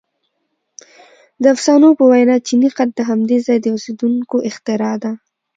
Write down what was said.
• د افسانو په وینا چیني خط د همدې ځای د اوسېدونکو اختراع دی.